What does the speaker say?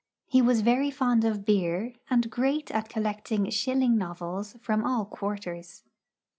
He was very fond of beer, and great at collecting shilling novels from all quarters.